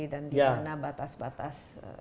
dan di mana batas batas